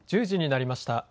１０時になりました。